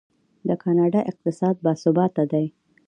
د کاناډا اقتصاد باثباته دی.